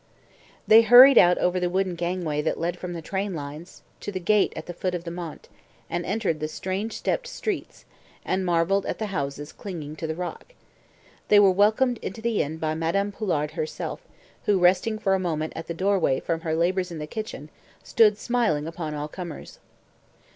They hurried out over the wooden gangway that led from the train lines to the gate at the foot of the Mont, and entered the strange stepped streets, and marvelled at the houses clinging to the rock. They were welcomed into the inn by Madame Poulard herself, who, resting for a moment at the doorway from her labours in the kitchen, stood smiling upon all comers.